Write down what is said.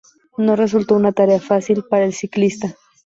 No resultó una tarea fácil para el ciclista.